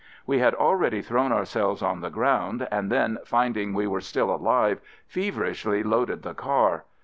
We had already thrown ourselves on the ground, and then, finding we were still alive, feverishly loaded the car.